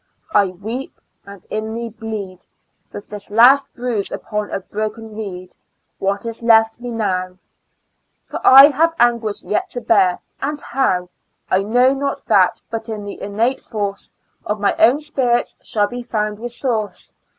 I weep and inly bleed. With this last bruise upon a broken reed. What is left me now 1 For I have anguish yet to bear — and how .'' I know not that, but in the innate force Of my own spirits shall be found resource.